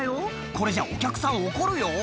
これじゃお客さん怒るよ？